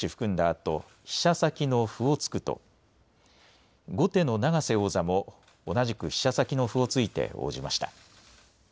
あと飛車先の歩を突くと後手の永瀬王座も同じく飛車先の歩を突いて応じました。